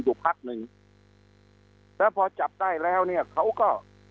อยู่พักหนึ่งแล้วพอจับได้แล้วเนี่ยเขาก็